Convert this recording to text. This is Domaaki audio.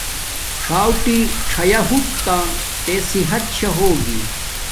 څݹٹی څیا ہوٹ تا تے صحت شا ہوگی